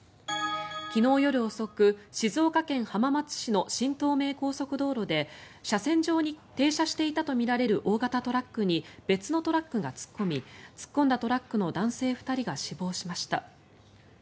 昨日夜遅く静岡県浜松市の新東名高速道路で車線上に停車していたとみられる大型トラックに別のトラックが突っ込み突っ込んだトラックの男性２人が死亡しました。